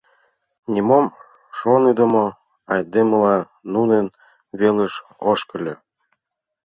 Нимом шоныдымо айдемыла нунын велыш ошкыльо.